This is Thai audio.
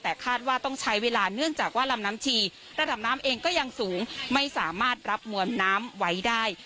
แต่คาดว่าต้องใช้เวลาเนื่องจากว่าลำน้ำชีระดับน้ำเองก็ยังสูงไม่สามารถรับมวลน้ำไว้ได้